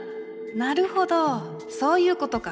なるほどそういうことか。